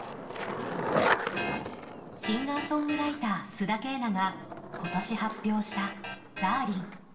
シンガーソングライター須田景凪が今年、発表した「ダーリン」。